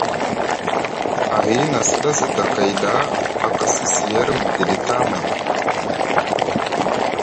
Ahi nʼa sɗa sda kay ɗa, a kasi siyer midiɗi tamay.